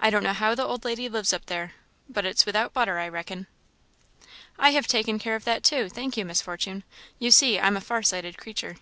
I don't know how the old lady lives up there, but it's without butter, I reckon." "I have taken care of that, too, thank you, Miss Fortune. You see I'm a far sighted creature."